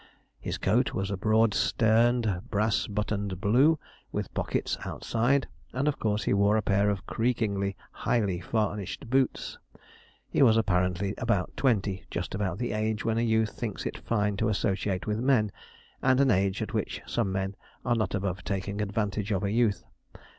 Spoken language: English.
His coat was a broad sterned, brass buttoned blue, with pockets outside, and of course he wore a pair of creaking highly varnished boots. He was apparently, about twenty; just about the age when a youth thinks it fine to associate with men, and an age at which some men are not above taking advantage of a youth.